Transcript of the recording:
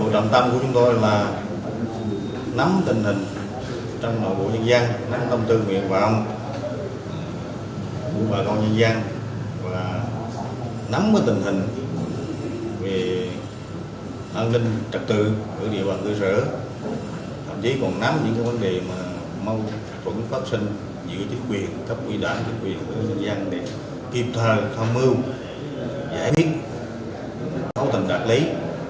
thậm chí còn nắm những vấn đề mà mong tổ chức pháp sinh giữ chính quyền cấp ủy đảng chính quyền của người dân để kịp thời tham mưu giải thích thấu tầm đạt lý